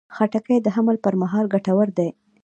خټکی د حمل پر مهال ګټور دی.